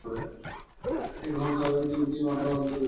এটি ঘুম শহরের তিনটি মঠের মধ্যে বৃহত্তম।